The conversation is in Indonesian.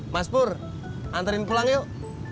mas pur antarin pulang yuk